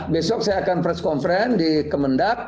besok saya akan press conference di kemendak